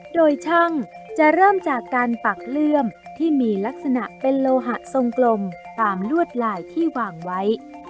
โดยช่างจะเริ่มจากการปักเลื่อมที่มีลักษณะเป็นโลหะทรงกลมตามลวดลายที่วางไว้